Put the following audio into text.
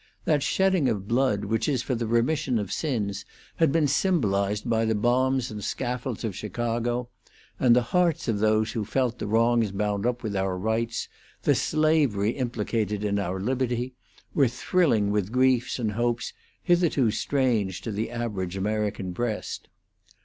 That shedding of blood which is for the remission of sins had been symbolized by the bombs and scaffolds of Chicago, and the hearts of those who felt the wrongs bound up with our rights, the slavery implicated in our liberty, were thrilling with griefs and hopes hitherto strange to the average American breast.